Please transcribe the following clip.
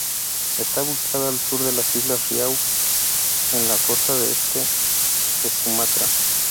Está ubicada al sur de las islas Riau en la costa este de Sumatra.